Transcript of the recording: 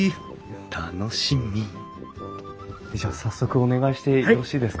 楽しみじゃあ早速お願いしてよろしいですか？